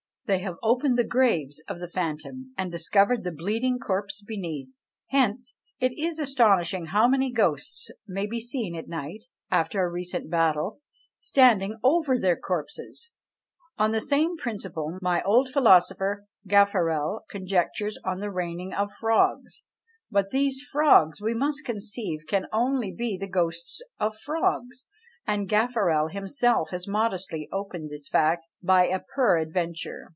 They have opened the graves of the phantom, and discovered the bleeding corpse beneath; hence it is astonishing how many ghosts may be seen at night, after a recent battle, standing over their corpses! On the same principle, my old philosopher Gaffarel conjectures on the raining of frogs; but these frogs, we must conceive, can only be the ghosts of frogs; and Gaffarel himself has modestly opened this fact by a "peradventure."